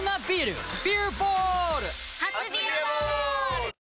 初「ビアボール」！